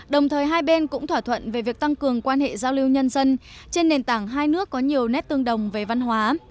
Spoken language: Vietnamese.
đồng thời hai bên cũng thỏa thuận về việc tăng cường quan hệ giao lưu nhân dân trên nền tảng hai nước có nhiều nét tương đồng về văn hóa